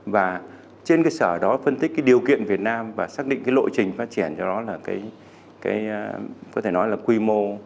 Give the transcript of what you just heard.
và trên sở đó phân tích điều kiện việt nam và xác định lộ trình phát triển cho đó là quy mô